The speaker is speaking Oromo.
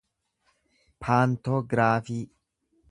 paantoogiraafii